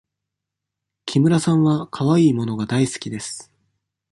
木村さんはかわいい物が大好きです。